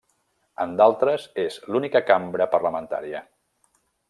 En d'altres, és l'única cambra parlamentària.